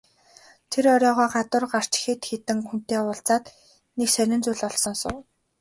Тэр оройгоо гадуур гарч хэд хэдэн хүнтэй уулзаад нэг сонин зүйл олж сонсов.